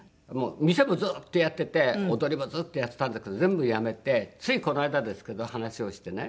店もずっとやってて踊りもずっとやってたんだけど全部やめてついこの間ですけど話をしてね。